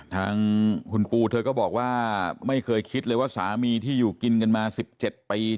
ทางคุณปูเธอก็บอกว่าไม่เคยคิดเลยว่าสามีที่อยู่กินกันมา๑๗ปี